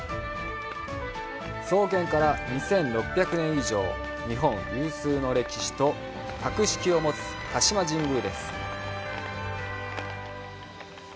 創建から２６００年以上、日本有数の歴史と格式を持つ鹿島神宮です。